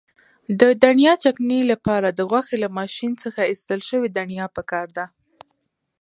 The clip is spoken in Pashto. د دڼیا چکنۍ لپاره د غوښې له ماشین څخه ایستل شوې دڼیا پکار ده.